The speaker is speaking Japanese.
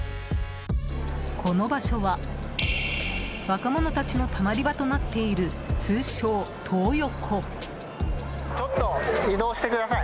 この場所は、若者たちのたまり場となっている通称トー横。